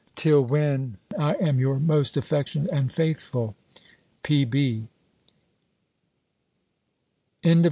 Till when, I am your most affectionate and faithful, P.B.